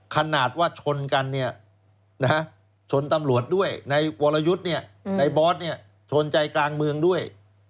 ขนาดว่าชนกันชนตำรวจด้วยในวรยุทธ์ในบอสชนใจกลางเมืองด้วย